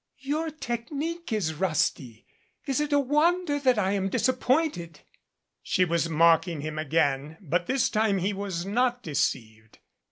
Your technique is rusty. Is it a wonder that I am disappointed ?" She was mocking him again, but this time he was not deceived.